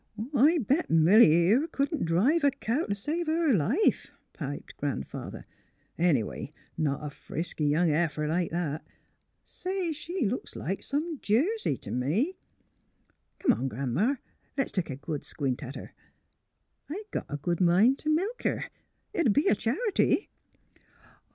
" I bet Milly, here, couldn't drive a cow t' save her life," piped Grandfather. '' Anyway, not a frisky young heifer like that. Say, she looks like some Jersey t' me. Come on. Gran 'ma, le^s take a good squint at her. I got a good mind t' milk her. It 'd be a charity."